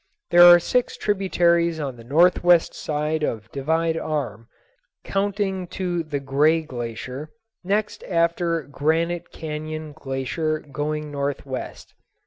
There are six tributaries on the northwest side of Divide arm, counting to the Gray Glacier, next after Granite Cañon Glacier going northwest.